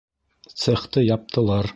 Цехты яптылар